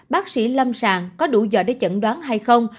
bác sĩ lâm sàng có đủ giờ để chẩn đoán hay không